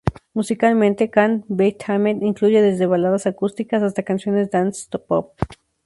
Musicalmente, "Can't Be Tamed" incluye desde baladas acústicas hasta canciones dance-pop.